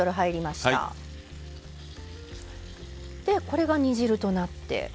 これが煮汁となって。